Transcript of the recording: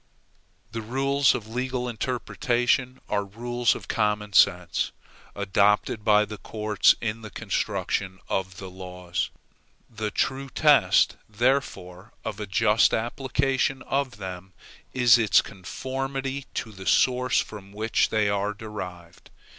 The rules of legal interpretation are rules of common sense, adopted by the courts in the construction of the laws. The true test, therefore, of a just application of them is its conformity to the source from which they are derived.